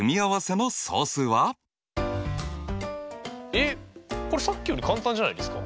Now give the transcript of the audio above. えっこれさっきより簡単じゃないですか？